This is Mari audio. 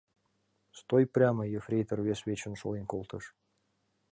— Стой прямо! — ефрейтор вес вечын шолен колтыш.